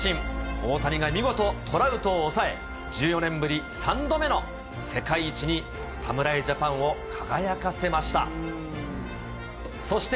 大谷が見事、トラウトを抑え、１４年ぶり３度目の世界一に、侍ジャパンを輝かせました。